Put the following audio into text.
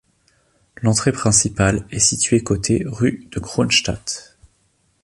L'entrée principale est située côté rue de Cronstadt.